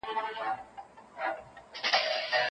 د پوهې رڼا ټولنه بدلولای سي.